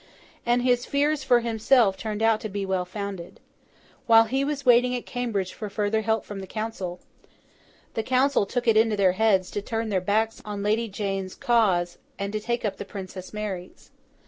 And his fears for himself turned out to be well founded. While he was waiting at Cambridge for further help from the Council, the Council took it into their heads to turn their backs on Lady Jane's cause, and to take up the Princess Mary's.